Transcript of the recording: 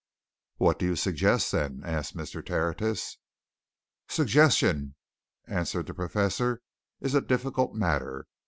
"What do you suggest, then?" asked Mr. Tertius. "Suggestion," answered the Professor, "is a difficult matter.